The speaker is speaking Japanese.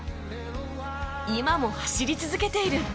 今も走り続けている